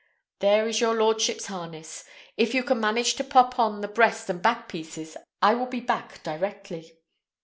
There is your lordship's harness. If you can manage to pop on the breast and back pieces, I will be back directly."